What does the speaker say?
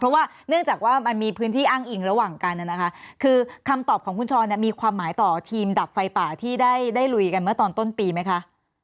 เพราะว่าเนื่องจากว่ามันมีพื้นที่อ้างอิงระหว่างกันนะคะคือคำตอบของคุณชรมีความหมายต่อทีมดับไฟป่าที่ได้ลุยกันเมื่อตอนต้นปีไหมคะ